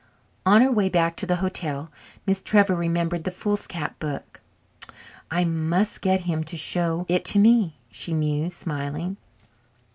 On her way back to the hotel Miss Trevor remembered the foolscap book. "I must get him to show it to me," she mused, smiling.